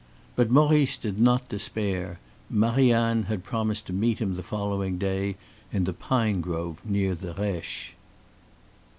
But Maurice did not despair; Marie Anne had promised to meet him the following day in the pine grove near the Reche.